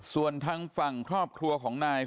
ส่วนทางฝั่งครอบครัวของนาย